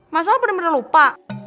masalah bener bener lupa